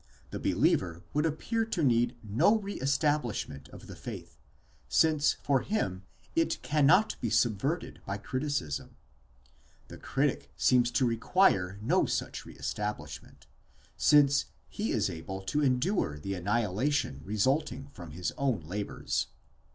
The believer would appear to need no re establishment of the faith, since for him it cannot be subverted by criticism. The critic seems to require no such re establishment, since he is able to endure the annihilation resulting from his own labours.